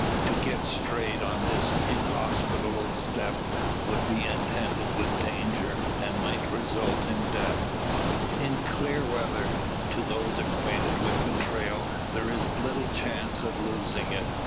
To get strayed on the inhospitable steppe would be attended with danger, and might result in death. In clear weather, to those acquainted with the trail, there is little chance of losing it.